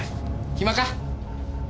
暇か？